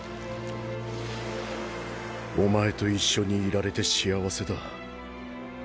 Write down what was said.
お前と一緒にいられて幸せだ。